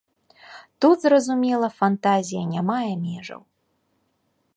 Тут, зразумела, фантазія не мае межаў.